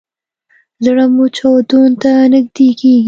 زړه مو چاودون ته نږدې کیږي